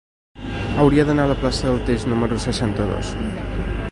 Hauria d'anar a la plaça del Teix número seixanta-dos.